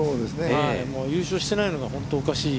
もう優勝してないのが本当におかしい